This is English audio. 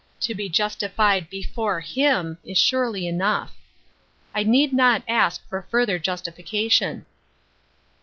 To be justified before him is surely enough. I need not ask for further justification."